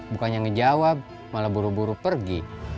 bukannya ngejawab malah buru buru pergi